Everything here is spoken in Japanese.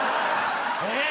えっ？